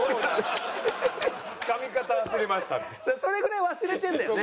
それぐらい忘れてるんだよね？